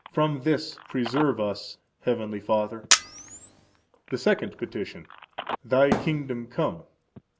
From this preserve us, Heavenly Father. The Second Petition. Thy kingdom come.